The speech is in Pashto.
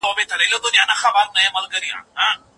عسکر د خپل بادار د ساتنې لپاره زغرې نه اغوندي.